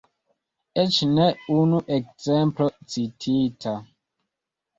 Eĉ ne unu ekzemplo citita.